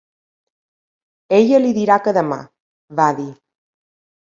"Ella li dirà que demà", va dir.